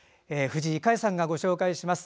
藤井香江さんがご紹介します。